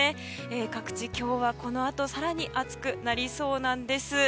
各地、今日はこのあと更に暑くなりそうなんです。